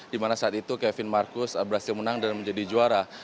di mana saat itu kevin marcus berhasil menang dan menjadi juara